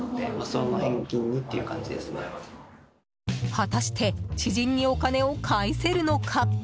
果たして、知人にお金を返せるのか？